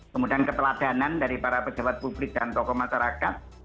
kemudian keteladanan dari para pejabat publik dan tokoh masyarakat